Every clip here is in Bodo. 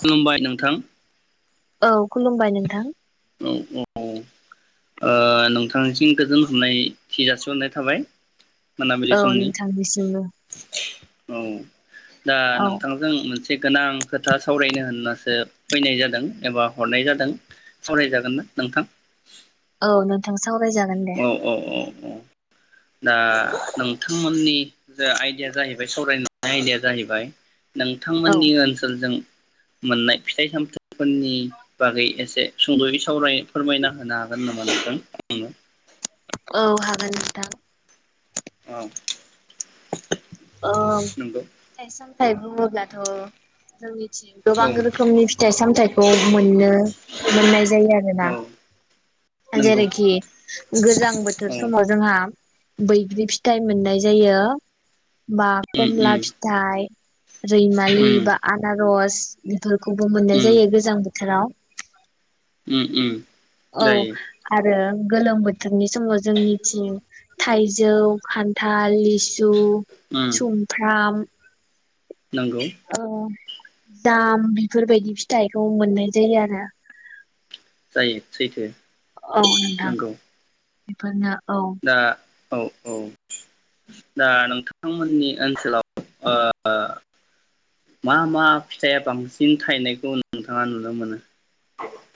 खुलुमबाय नोंथां औ खुलुमबाय नोंथां औ औ ओ नोंथांनिसिम गोजोन हमनायथि जाासिरनाय थाबाय मोनाबिलि औ समनि नोंथांनिसिमबो औ दा औ नोंथांजों मोन से गोनां खोथा सावरायनो होननासो फैनाय जादों एबा हरनाय जादों सावरायजागोन ना नोंथां औ नोंथां सावरायजागोन दे औ औ औ दा नोंथांमोननि जे आयदाया जाहैबाय सावरायनाय आयदाया जाहैबाय औ नोंथांमोननि ओनसोलजों मोननाय फिथाइ सामथाइफोरनि बागै एसे सुंद'यै सावराय फोरमायना होनो हागोन नामा नोंथां आंनो औ हागोन नोंथां औ औ नंगौ फिथाइ सामथाइ बुङोब्लाथ' जोंनि गोबां औ रोखोमनि फिथाइ सामथाइखौ मोननो मोननाय जायो आरोना औ नंगौ जेरैखि गोजां बोथोर औ समाव जोंहा बैग्रि फिथ फिथाइ मोननाय जायो बा उम खमला उम फिथाइ रैमालि उम बा आनारस [unintelligible] फोरखौबो मोननाय उम जायो गोजां बोथ हेलौ उम उम जायो आरो गोलोम बोथोरनि समाव जोंनिथिं थाइजौ खान्थाल लिसु उम सुमफ्राम नंगौ औ दाम बेफोरबायदि फिथाइखौ मोननाय जायो आरो जायो सैथो औ नोंथां नंगौ बिफोरनो दा औ औ दा नोंथांमोननि ओनसोलाव मा मा ओ फिथाइया बांसिन थायनायखौ नोंथाङा नुनो मोनो?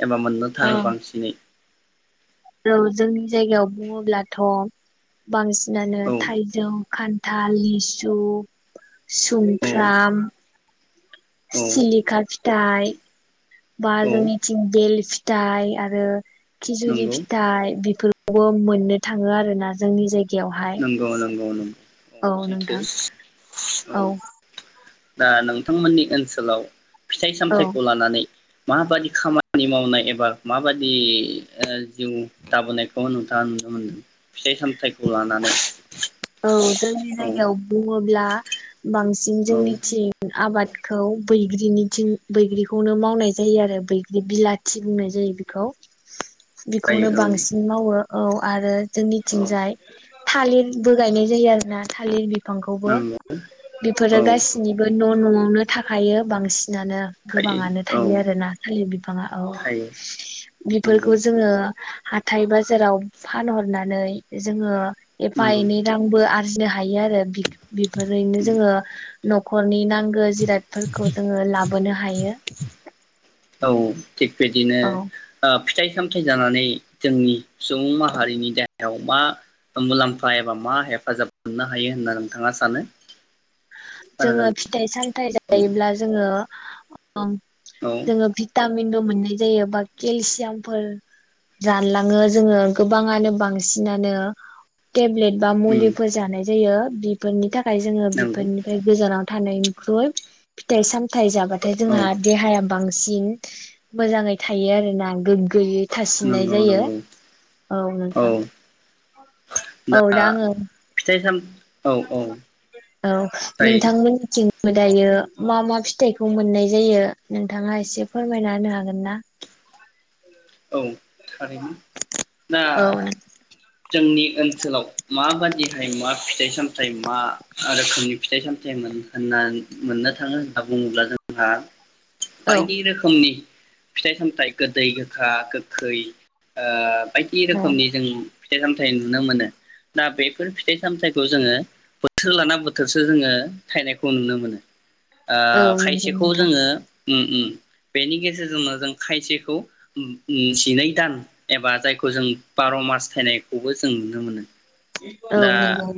एबा मोननो थाङो औ बांसिनै औ जोंनि जायगायाव बुङोब्लाथ' बांसिन मोनो औ थाइजौ खान थाल लिसु औ सुमफ्राम औ सिलिखा फि दाइ औ [unintelligible] दाइ आरो खिजुरि नंगौ फिथाइ बेफोर मोननो थाङो आरोना जोंनि जायगायाव नंगौ नंगौ नंगौ औ नोंथां सैथो औ दा नोंथांमोननि ओनसोलाव फिथाइ औ सामथायाइखौ लानानै माबादि खामानि मावनाय एबा माबादि जिउ ओ दाबोनायखौ नोंथाङा नुनो मोनदों फिथाइ सामथाइखौ खौ लानानै औ जोंनि औ जायगायाव बु ब्ला बांसिन औ जोंनिथिं आबाद खौ बैग्रिनिथिं बैग्रिखौनो मावनाय जायो आरो बैग्रि बिलाथि बुंनाय जायो बेखौ बेखौनो जायो औ बांसिन मावो औ आरो औ जोंनिथिंजाय थालिर बो गायनाय जायो आरो ना थालिर बि फांखौबो नंगौ बेफोरो औ गासिनि न' न'आवनो थाखायो बांसिनानो थायो गोबाङानो औ थायो आरो ना खालि बि ङा औ थायो नंगौ बेफोरखौ जोङो हाथाय बाजाराव फानहरनानै जोङो नंगौ थायनै रांबो आरजिनो हायो आरो बेफोरैनो जोङो न'खरनि नांगो जिरायादफोरखौ जोङो लाबोनो हायो। औ थिग बिदिनो औ ओ फिथाइ सामथाइ जानानै जोंनि सुबुं माहारिनि देहायाव मा मुलाम्फा एबा मा हेफाजाब मोननो हायो होनना नोंथाङा सानो? जोङो खोनादों फिथाइ सामथायाइ जायोब्ला जोङो औ औ जोङो भिटामिनबो मोन जायो बाखि सेमफोलफोल जानलाङो जोङो गोबाङानो बांसिनानो टेब्लेट बा उम मुलिफोर जानाय जायो। बेफोरनि थाखाय जोङो बि नंगौ बेनिफ्राय गोजानाव थानायनि ख्रुइ फिथाइ सामताइ जाबाय नाथाय औ जोंहा देहाया बांसिन मोजाङै थायो आरोना गोग्गोयै थासिननाय नंगौ जायो। नंगौ औ नोंथां औ दा आङो फिथाइ साम औ औ औ जायो नोंथांमोननिथिं बो दायो मा मा फिथाइखौ मोननाय जायो नोंथाङा एसे फोरमायना होनो हागोन ना? औ थारैनो। दा औ जोंनि ओनसोलाव माबादिहाय मा फिथाइ सामथायाइ मा रोखोमनि फिथाइ सामथाइमोन होनना मोननो थाङो होनना बुङोब्ला जोंहा औ बायदि रोखोमनि फिथाइ सामथाइ गोदै गो खा गोखै आ बायदि औ रोखोमनि जों फिथाइ सामथाइ थाइ नुनो मोनो दा बेफोर फिथाइ सामथायाइखौ जोङो बोथोर लाना बोथोरसो जोङो थायनायखौ नुनो मोनो ओ औ नंगौ खायसेखौ नोंथां जोङो मम बेनि गेजेरजोंनो जों खायसेखौ जिनै दान एबा जायखौ जों बार' मास थायनायखौबो जों नुनो मोनो औ दा नंगौ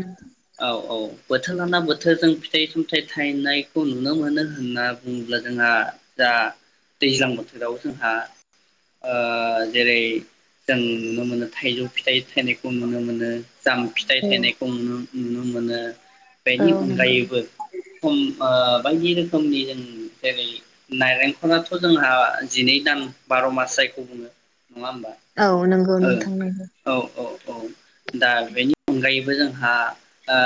औ औ बोथोर लाना बोथोरजों फिथाइ सामथाइ थायनायखौ नुनो मोनो होनना बुङोब्ला जोंहा दा दैज्लां बोथोराव जोंहा ओ जेरै जों नुनो मोनो थाइजौ फिथाइ थायनायखौ नुनो मोनो जाम फिथाइ औ थायनायखौु नुनो मोन मोनो औ बेनि नंगौ अनगायैबो खम ओ बायदि रोखोमनि जों जेरै नारेंखलाथ' जोंना जिनैदान [unintelligible] मास जायखौ बुङो। नङा होमबा औ नंगौ ओं नोंथां नंगौ औ औ औ दा बेनि अनगायैबो जोंहा ओ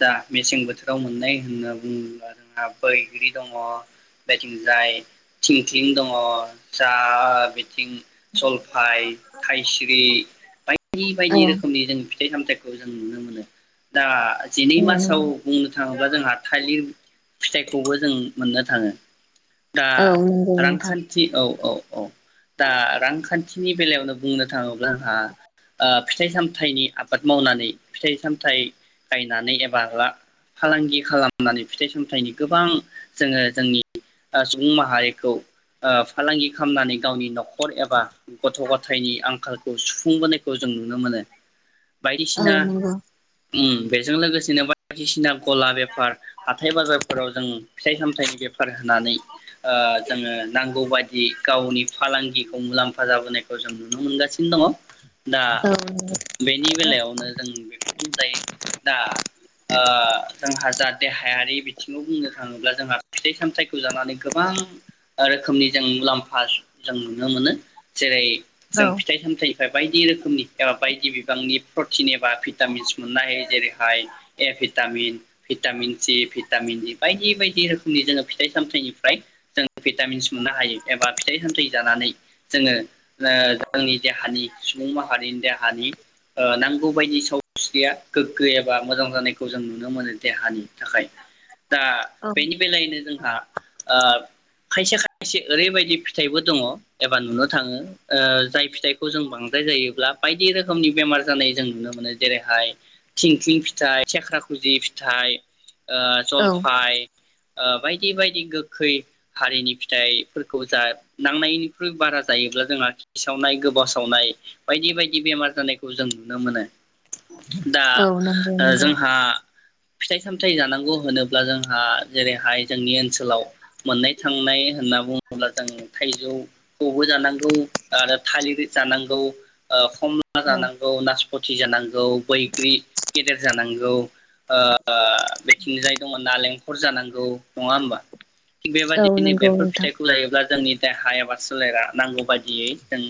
दा मेसें बोथोराव मोननाय होनना बुङोब्ला जोंहा बैग्रि दङ बेथिंजाय थिंख्लिं दङ जा आ बि थिं जलफाय थायस्रि बायदि औ बायदि रोखोमनि जों फिथाइ सामथाइखौ जों नुनो मोनो। दा जिनै मासाव नंगौ बुंनो थाङोब्ला जोंहा थालिर फिथाइखौबो जों मोननो थाङो। दा औ नंगौ नोंथां रांखान्थि औ औ। औ दा रांखान थिनि बेलायावनो बुंनो थाङोब्ला ओंहा ओ फिथाइ सामथायनि आबाद मावनानै फिथाइ-सामथाइ गायनानै एबा ला फालांगि खालामनानै फिथाइ-सामथाइनि गोबां जोङो जोंनि ओ सुबुं माहारिखौ ओ फालांगि खामनानै गावनि न'खर एबा गथ' गथायनि आंखाल खौ सुफुंबोनायखौ जों नुनो मोनो। औ बायदिसिना नंगौ उम बेजों लोगोसेनो बायदिसिना गला बेफार हाथाय बाजारफोराव जों फिथाइ सामथायाइनि बेफार होनानै ओ जोङो नांगौ बाय दि गावनि फालांगिखौ मुलाम्फा जाबोनायखौ जों नुनो मोनगासिनो दङ। दा औ नंगौ बेनि बेलायावनो जों बेखौ बुंजायो दा ओ जोंहा जा देहायारि बिथिंआव बुंनो थाङोब्ला जोंहा फिथाइ सामथाइखौ जानानै गोबां रोखोमनि जों मुलाम्फ पास जों नुनो मोनो जेरै - औ जों फिथाइ सामथाय फ्राय बायदि रोखोमनि एबा बायदि बिबांनि प्रटिन एबा भिटामिनस मोननो हायो जेरैहाय ए vitamin vitamin C vitamin E बायदि बायदि रोखोमनि जोङो फिथाइ सामथाइनिफ्राय जोङो भिटामिनस मोननो हायो एबा फिथाइ सामथाइ जानानै जोङो ओ जोंनि देहानि सुबुं माहारिनि देहानि ओ नांगौ बायदि सावस्रिया गोग्गो एबा मोजां जानायखौ जों नुनो मोनो देहानि थाखाय। दा बेनि बेलायैनो जों आ ओ खायसे खायसे ओरैबायदि फि थाइबो दङ एबा नुनो थाङो ओ जाय फिथाइखौ जों बांद्राय जायोब्ला बायदि रोखोमनि बेमार जानाय जों नुनो मोनो जेरैहाय थिंख्लिं फिथाइ, थेख्रा खुजि फिथाइ ओ औ जलफाय ओ बायदि बायदि गोखै हारिनि फिथाइफोरखौ जा नांनायनिख्रुइ बारा जायोब्ला जोंहा खि सावनाय गोबाव सावनाय बायदि बायदि बेमार जानायखौ जों नुनो मोनो दा औ नंगौ ओ नंगौ जोंहा फिथाइ सामथायाइ जानांगौ होनोब्ला जोंहा जेरैहाय जोंनि ओनसोलाव मोननाय थांनाय होनना बुङो अब्ला जों थाइजौ खौबो जानांगौ आरो थालिर जानांगौ ओ खमला औ जानांगौ नासफ फथि जानांगौ औ बैग्रि गेदेर जानांगौ ओ बेथिंजाय दं नालेंखर जानांगौ नङा होमबा थिग औ बेबायाददिनो नंगौ बेफोर नोंथां फिथाइखौ लायोब्ला जोंनि देहा एबा सोलेरा नांगौ बायदियै जों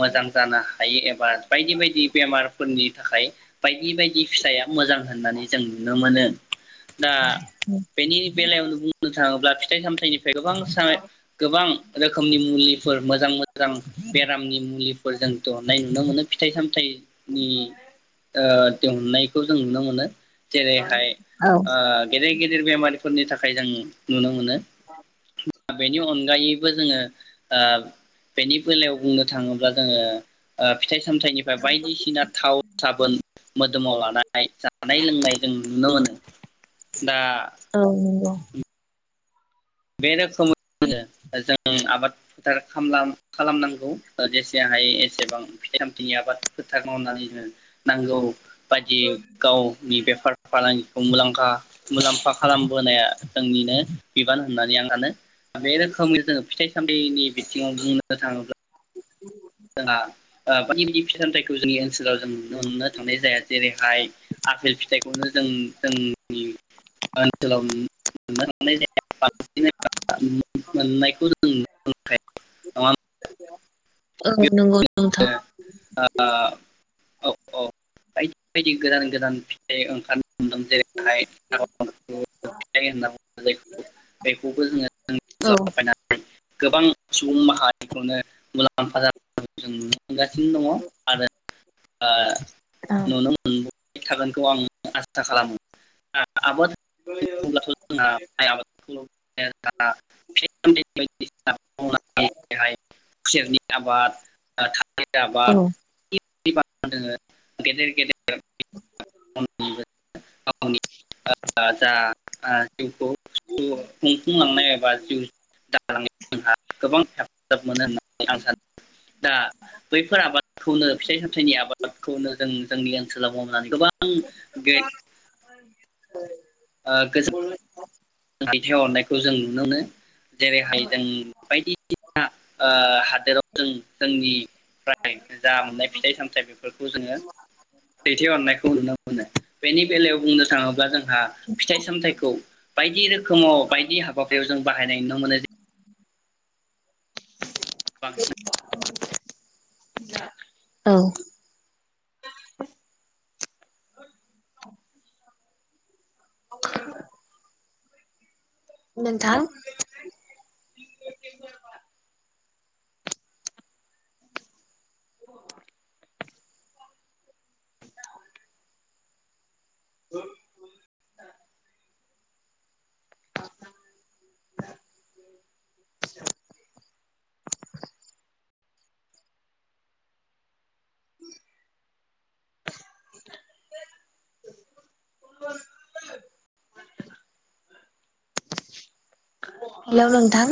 मोजां जानो हायो एबा बायदि बायदि बेमारफोरनि थाखाय बायदि बायदि फिथाइया मोजां होननानै जों नुनो मोनो दा बेनि बेलायावनो बुंनो थाङोब्ला फि फिथाइ सामथाय गोबां साइ गोबां रोखोमनि मुलिफोर मोजां मोजां बेरामनि मुलिफोर जों दरननाय नुनो मोनो फिथाइ सामथाइ नि ओ दिहुनायखौ जों नुनो मोनो जेरैहाय औ आ गेदेर गेदेर बेमारि फोरनि थाखाय जों नुनो मोनो [inaudible] बेनि अनगायै बो जोङो ओ बेनि बेलायाव बुंनो थाङोब्ला जोङो ओ फिथाइ सामथायनिफ्राय बायदिसिना थाव साबोन मोदोमाव लानाय जानाय लोंनाय जों नुनो मोनो दा औ नंगौ बे रोखोमैनो जों आबाद फोथार खामला खालामनांगौ जेसे हायो एसेबां फिथाइ सामथाइनि आबाद फोथार मावनानै जों नांगौ बायदि गावनि बेफार फालांगिखौ मुलामखा मुलाम्फा खालामबोनाया जोंनिनो बिबान होननानै आं आनो बे रोखोमनि जोङो फिथाइ नि बिथिङाव बुंनो थाङोब्ला [inaudible] जोंहा ओ बायदि बायदि फिथाइ सामथाइखौ जोंनि ओनसोलाव जों नुनो थांनाय जाया जेरैहाय आफेल फिथाइखौनो जों-जोंनि ओनसोलाव नुनो थांनाय जाया [unintelligible] मोननायखौ [unintelligible] [inaudible] औ नंगौ नोंथां औ औ बायदि बायदि गोदान गोदान फिथाइ ओंखार नो हमदों जेरैहाय होनना [unintelligible] बेखौबो औ [unintelligible] गोबां सुबुं माहारिखौनो मुलाम मफा जों नुनो थांगासिनो दङ आरो आ औ नुनो मोनो थागोनखौ आं आसा खालामो आ आबाद बुङोब्लाथ' जोंहा माइ आबादखौ ए [unintelligible] बायदि सि मैगं मैला [unintelligible] खुसेरनि [unintelligible] [unintelligible] औ आबाद [unintelligible] दोङो गेदेर गेदेर [unintelligible] औ गावनि आ जा आ जिउखौ खुंफुंलांनाय एबा जिउ दालांनायाव जोंहा गोबां हेफाजाब मोनो होननानै आं सानो दा बैफोर आबादखौनो फिथाइ सामथाइनि आबादखौनो जों जोंनि ओनसोल लाव मावनानै गोबां गे [inaudible] आ गो दैथायहरनायखौ जों नुनो मोनो जेरैहाय जों बायदिसिना ओ हादोराव जों जोंनिफ्राय जा मोननाय फिथाइ सामथाइ बेफोरखौ जोङो दैथायहरनायखौ नुनो मोनो। बेनि बेलायाव बुंनो थाङोब्ला जों हा फिथाइ सामथाइखौ बायदि रोखोमाव बायदि हाबाफयाव जों बाहायनाय नुनो मोनो। जेरै बांसिन [inaudible] औ [inaudible] नोंथां [inaudible] [inaudible] [inaudible] [inaudible] हेलौ नोंथां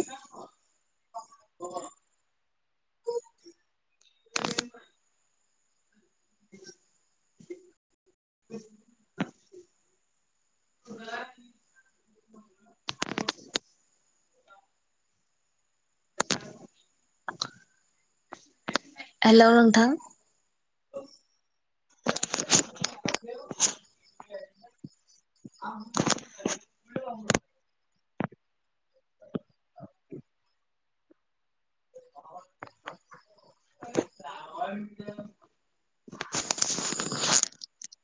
[inaudible] [inaudible] हेल नोंथां [inaudible]